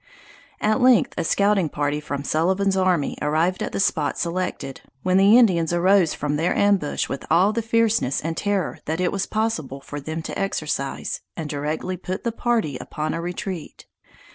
At length a scouting party from Sullivan's army arrived at the spot selected, when the Indians arose from their ambush with all the fierceness and terror that it was possible for them to exercise, and directly put the party upon a retreat.